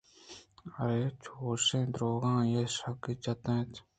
ارّرے چوشیں درٛوگ آئی ءَ شگانے جت اَنت